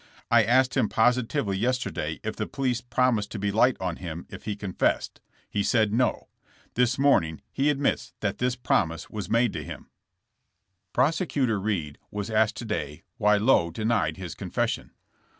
I asked him positively yesterday if the police promised to be light on him if he confessed. He said, *'No.'' This morning he admits that this promise was made to him.'* THK TRIAI, FOR TRAIN ROBBKRY. 157 Prosecutor Reed was asked today why Lowe denied his confession.